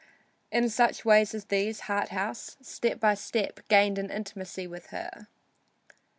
In such ways as these Harthouse, step by step, gained an intimacy with her.